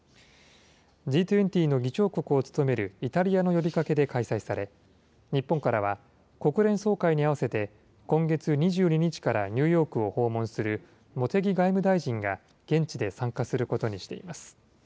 Ｇ２０の議長国を務めるイタリアの呼びかけで開催され、日本からは国連総会に合わせて、今月２２日からニューヨークを訪問する茂木外務大臣が現地で参加することにしています。